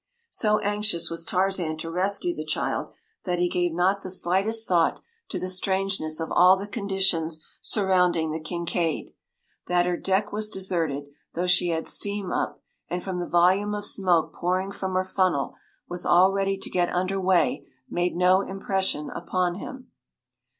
” So anxious was Tarzan to rescue the child that he gave not the slightest thought to the strangeness of all the conditions surrounding the Kincaid. That her deck was deserted, though she had steam up, and from the volume of smoke pouring from her funnel was all ready to get under way made no impression upon him.